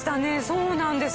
そうなんです。